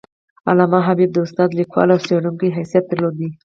علامه حبیبي د استاد، لیکوال او څیړونکي حیثیت درلود.